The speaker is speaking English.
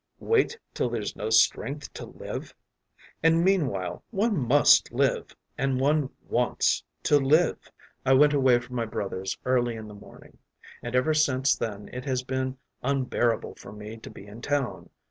Wait till there’s no strength to live? And meanwhile one must live, and one wants to live! “I went away from my brother’s early in the morning, and ever since then it has been unbearable for me to be in town.